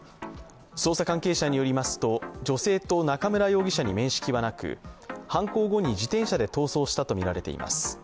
捜査関係者によりますと、女性と中村容疑者に面識はなく犯行後に自転車で逃走したとみられています。